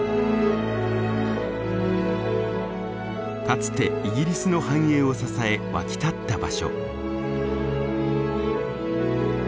かつてイギリスの繁栄を支え沸き立った場所。